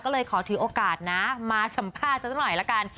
ก็เลยขอถือโอกาสนะมาสัมภาษณ์สักหน่อยละกัน